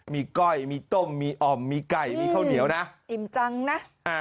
มีก้อยมีต้มมีอ่อมมีไก่มีข้าวเหนียวนะอิ่มจังนะอ่า